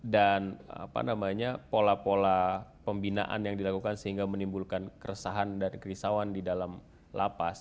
apa namanya pola pola pembinaan yang dilakukan sehingga menimbulkan keresahan dan kerisauan di dalam lapas